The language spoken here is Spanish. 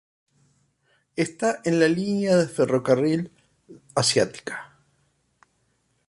Está en la línea de ferrocarril asiática.